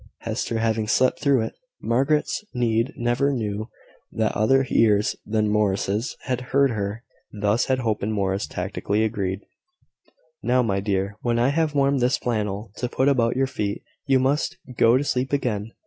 Hester having slept through it, Margaret need never know that other ears than Morris' had heard her. Thus had Hope and Morris tacitly agreed. "Now, my dear, when I have warmed this flannel, to put about your feet, you must go to sleep again.